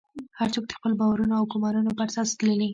هر څوک د خپلو باورونو او ګومانونو پر اساس تلي.